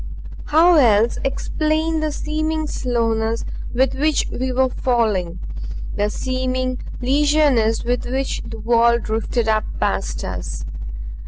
How else explain the seeming slowness with which we were falling the seeming leisureness with which the wall drifted up past us?